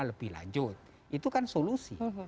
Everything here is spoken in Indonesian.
lebih lanjut itu kan solusi